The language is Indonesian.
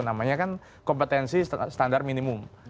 namanya kan kompetensi standar minimum